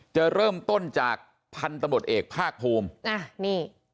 จะเริ่มต้นจากพันธุ์ตำรวจเอกภาคภูมินี่